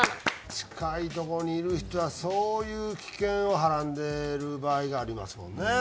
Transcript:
近いとこにいる人はそういう危険をはらんでる場合がありますもんね。